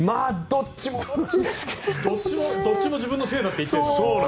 どっちも自分のせいだって言ってるんだから。